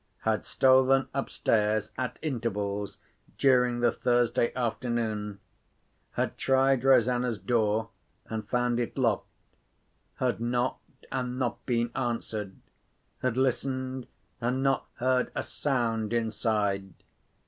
—had stolen upstairs, at intervals during the Thursday afternoon; had tried Rosanna's door, and found it locked; had knocked, and not been answered; had listened, and not heard a sound inside.